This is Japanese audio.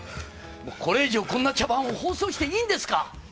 これ以上こんな茶番を放送していいんですか？